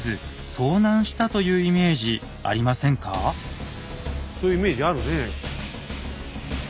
そういうイメージあるね。